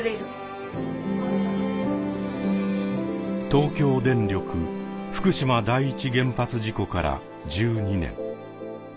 東京電力福島第一原発事故から１２年。